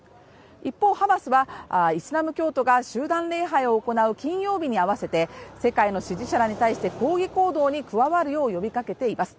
一方、ハマスはイスラム教徒が集団礼拝を行う金曜日に合わせて、世界の支持者らに対して、抗議行動に加わるよう、呼びかけています。